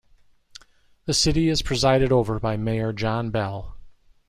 The city is presided over by Mayor John Bell.